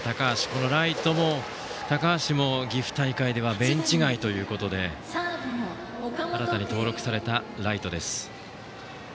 このライトの高橋も岐阜大会ではベンチ外ということで新たに登録されたライトです。